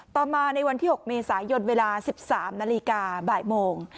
ต่อมาในวันที่๖เมษายนเวลา๑๓นาฬิกาบ่ายโมง